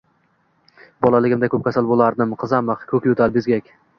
Bolaligimda ko‘p kasal bo‘lardim: qizamiq, ko‘kyo‘tal, bezgak...